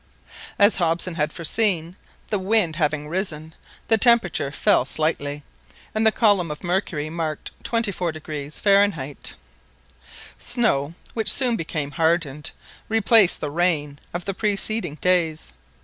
As Hobson had foreseen, the wind having risen, the temperature fell slightly, and the column of mercury marked 24° Fahrenheit. Snow, which soon became hardened, replaced the rain of the preceding days.